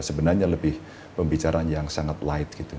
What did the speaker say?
sebenarnya lebih pembicaraan yang sangat light gitu